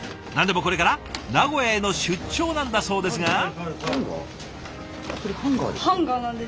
何でもこれから名古屋への出張なんだそうですが。